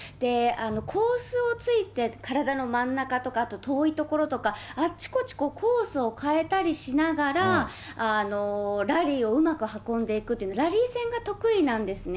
コースを突いて体の真ん中とか、あと遠い所とか、あちこちコースを変えたりしながら、ラリーをうまく運んでいくという、ラリー戦が得意なんですね。